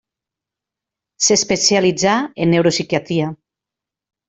S'especialitzà en neuropsiquiatria.